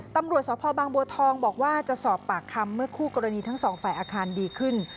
ตำรวจสพบางบัวทองบอกว่าจะสอบปากคำเมื่อคู่กรณีทั้งสองฝ่ายอาคารดีขึ้น